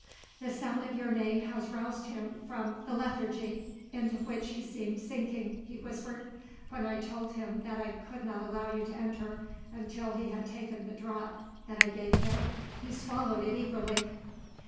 "The sound of your name has roused him from the lethargy, into which he seemed sinking," he whispered. "When I told him that I could not allow you to enter, until he had taken the draught that I gave him, he swallowed it eagerly."